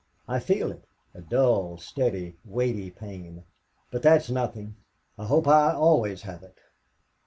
"I feel it a dull, steady, weighty pain.... But that's nothing. I hope I always have it."